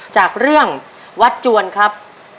จากเรื่องวัดจวนครับ